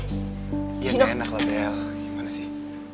gini enak lah bel gimana sih